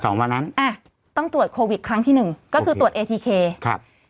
วันนั้นอ่ะต้องตรวจโควิดครั้งที่หนึ่งก็คือตรวจเอทีเคครับ